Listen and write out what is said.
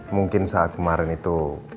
mungkin saat kemarin itu